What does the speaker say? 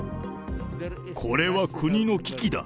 これは国の危機だ。